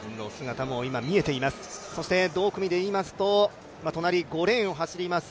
同組でいいますと、隣、５レーンを走ります。